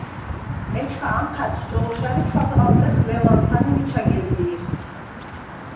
ეჩქა ანჴა̈დხ ჭო̄ლშა̈რ ი ჩვადღალტეხ ლევარსან ი მიჩა გეზლი̄რ.